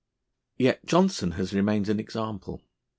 Yet Johnson has remained an example.